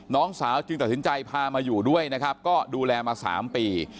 น้องสาวจึงตัดสินใจพามาอยู่ด้วยนะครับก็ดูแลมา๓ปี